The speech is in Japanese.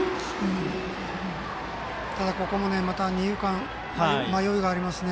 ただ、ここも二遊間、迷いがありますね。